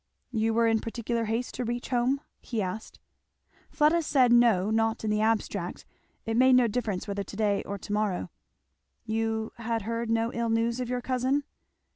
"You were in particular haste to reach home?" he asked. Fleda said no, not in the abstract; it made no difference whether to day or to morrow. "You had heard no ill news of your cousin?"